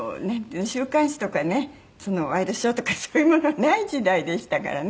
週刊誌とかねワイドショーとかそういうものはない時代でしたからね